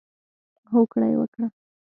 هوکړه یې وکړه.